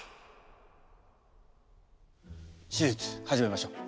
手術始めましょう。